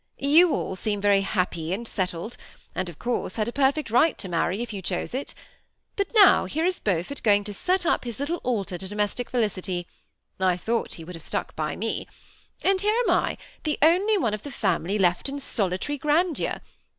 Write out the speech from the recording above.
" You all seem very happy and settled, and of course had a perfect right to marry if you chose it But now here is Beaufort going to set up his little altar to do mestic felicity (I thought he would have stuck by me) ; and here am I, the only one of the family lefl, in soli tary grandeur.